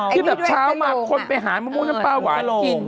ที่แบบเช้ามาคนไปหามะม่วงน้ำปลาหวานกิน